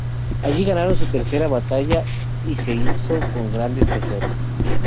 Allí ganaron su tercera batalla, y se hizo con grandes tesoros.